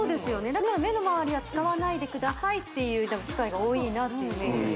だから「目のまわりは使わないでください」っていう機械が多いなっていうイメージです